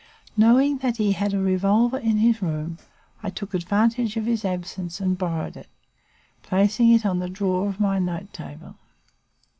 Knowing that he had a revolver in his room, I took advantage of his absence and borrowed it, placing it in the drawer of my night table.